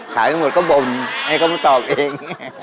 ขายทั้งหมดข้าวบ่นให้เขามาตอบเอง